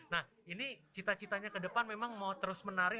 nah ini cita citanya ke depan memang mau terus menari